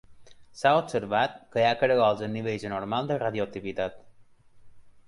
S'ha observat que hi ha caragols amb nivells anormals de radioactivitat.